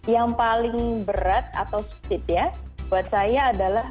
yang paling berat atau sulit ya buat saya adalah